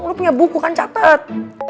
lu punya buku kan catet